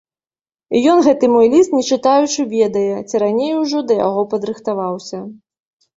Ён гэты мой ліст не чытаючы ведае, ці раней ужо да яго падрыхтаваўся.